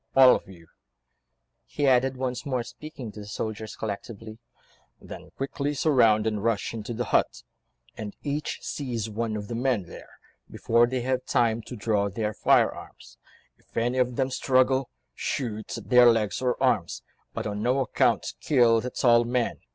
All of you," he added, once more speaking to the soldiers collectively, "then quickly surround and rush into the hut, and each seize one of the men there, before they have time to draw their firearms; if any of them struggle, shoot at their legs or arms, but on no account kill the tall man.